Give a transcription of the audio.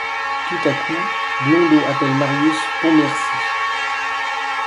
Tout à coup Blondeau appelle Marius Pontmercy.